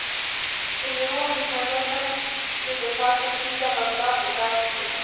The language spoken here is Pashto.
چې لېوه مږه کش کي دپاسه تيږه غربا په دا سر.